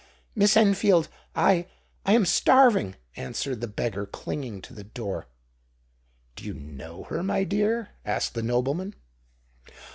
"Miss Enfield—I—I am starving!" answered the beggar, clinging to the door. "Do you know her, my dear?" asked the nobleman.